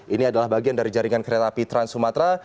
ini adalah bagian dari jaringan kereta api trans sumatera